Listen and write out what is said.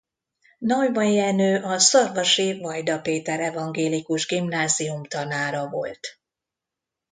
Neumann Jenő a szarvasi Vajda Péter Evangélikus Gimnázium tanára volt.